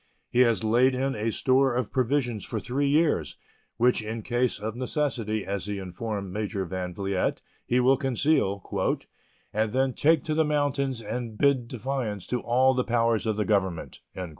He has laid in a store of provisions for three years, which in case of necessity, as he informed Major Van Vliet, he will conceal, "and then take to the mountains and bid defiance to all the powers of the Government."